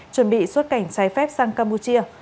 chuẩn bị xuất cảnh trái phép sang campuchia